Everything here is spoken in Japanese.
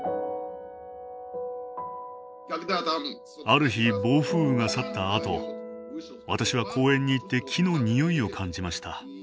ある日暴風雨が去ったあと私は公園に行って木の匂いを感じました。